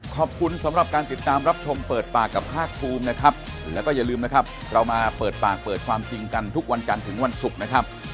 ขอบคุณน้องเอนะครับขอบคุณครับสวัสดีครับ